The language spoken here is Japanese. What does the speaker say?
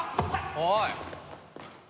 おい！